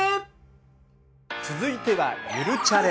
続いては「ゆるチャレ」。